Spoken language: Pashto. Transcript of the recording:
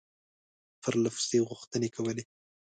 پرله پسې غوښتني کولې.